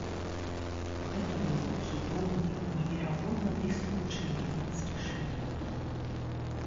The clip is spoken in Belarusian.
Гэта быў цудоўны, неверагодна бліскучы нямецкі шлём.